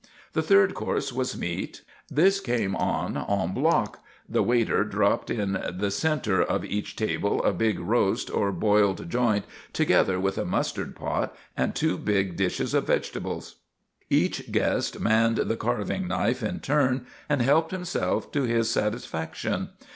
The third course was meat. This came on en bloc; the waiter dropped in the centre of each table a big roast or boiled joint together with a mustard pot and two big dishes of vegetables. Each guest manned the carving knife in turn and helped himself to his satisfaction.